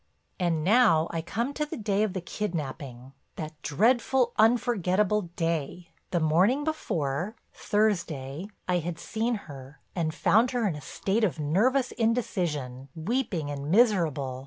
"And now I come to the day of the kidnaping, that dreadful, unforgettable day! "The morning before—Thursday—I had seen her and found her in a state of nervous indecision, weeping and miserable.